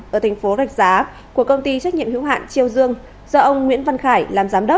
ở tp đàm giá của công ty trách nhiệm hiếu hạn triều dương do ông nguyễn văn khải làm giám đốc